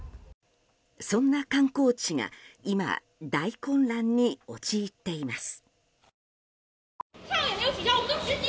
そんな観光地が今、大混乱に陥っています。